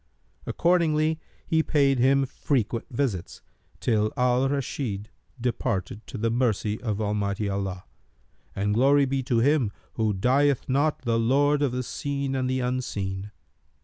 Accordingly he paid him frequent visits, till Al Rashid departed to the mercy of Almighty Allah; and glory be to Him who dieth not the Lord of the Seen and the Unseen!